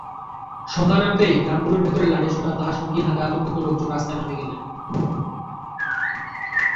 সন্ধ্যা নামতেই গ্রামগুলোর ভেতর লাঠিসোঁটা, দা-সড়কি হাতে আতঙ্কিত লোকজন রাস্তায় নেমে গেলেন।